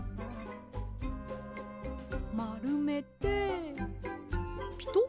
まるめてピトッ。